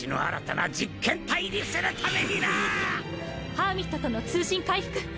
ハーミットとの通信回復！